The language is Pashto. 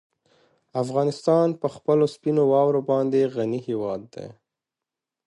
افغانستان په خپلو سپینو واورو باندې غني هېواد دی.